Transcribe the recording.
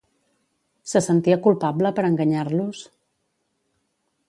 Se sentia culpable per enganyar-los?